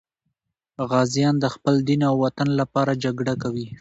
غازیان د خپل دین او وطن لپاره جګړه کوي.